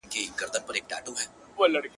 • ماته مي مات زړه په تحفه کي بيرته مه رالېږه.